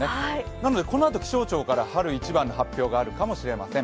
なのでこのあと気象庁から春一番の発表があるかもしれません。